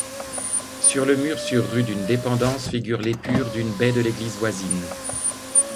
Sur le mur sur rue d'une dépendance figure l'épure d'une baie de l'église voisine.